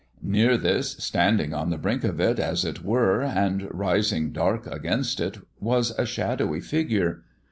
Near this, standing on the brink of it, as it were, and rising dark against it, was a shadowy figure.